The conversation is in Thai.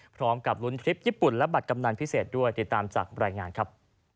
พร้อมกับลุ้นทริปญี่ปุ่นและบัตรกำนันพิเศษด้วยติดตามจากรายงานครับ